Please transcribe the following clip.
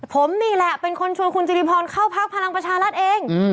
ผมนี่แหละเป็นคนชวนคุณจิริพรเข้าพักพลังประชารัฐเอง